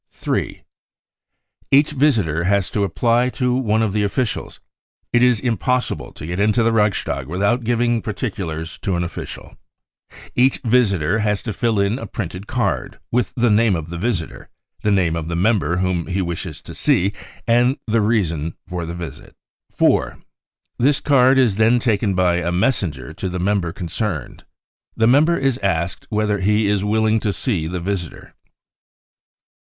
3. Each visitor has to apply to one of the officials. It is impossible to get into the Reichstag without giving par ticulars to an official. Each visitor has to fill in a printed card with the name of the visitor, the name of the member whom he wishes to see, and the reason for the visit. 4. This card is then taken by a messenger to the member concerned. The member is asked whether he is willing to see the visitor.